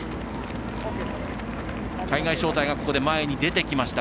海外招待がここで前に出てきました。